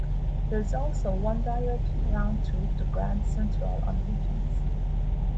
There is also one direct roundtrip to Grand Central on weekends.